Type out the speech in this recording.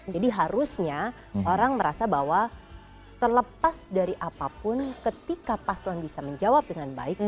jadi harusnya orang merasa bahwa terlepas dari apapun ketika paslon bisa menjawab dengan baik